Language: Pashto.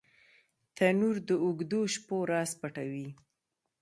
تنور د اوږدو شپو راز پټوي